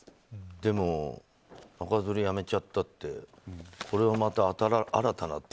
でも、中づりやめちゃったってこれもまた新たな手。